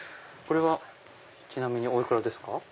これはちなみにお幾らですか？